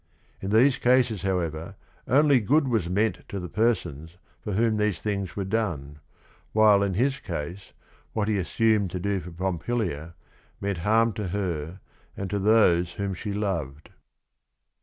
In these cases, however, only good was meant to the persons for whom these things were done, while in his case what he as sumed to do for Pompilia meant harm to her and to those whom she loved.